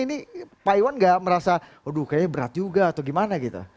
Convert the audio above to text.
ini pak iwan gak merasa aduh kayaknya berat juga atau gimana gitu